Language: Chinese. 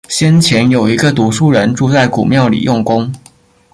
先前，有一个读书人住在古庙里用功